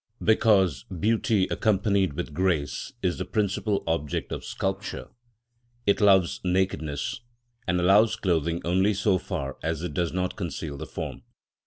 Because beauty accompanied with grace is the principal object of sculpture, it loves nakedness, and allows clothing only so far as it does not conceal the form.